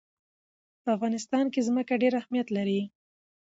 په افغانستان کې ځمکه ډېر اهمیت لري.